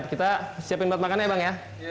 kita siapkan buat makannya ya bang